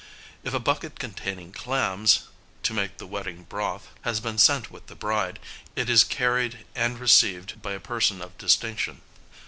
If a bucket containing clams, to make the wedding broth, has been sent with the bride, it is carried and received by a person of distinction.